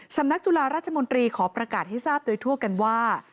สำนักจุฬาราชมนตรีขอประกาศให้ทราบโดยทั่วกันว่า